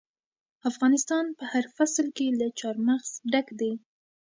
افغانستان په هر فصل کې له چار مغز ډک دی.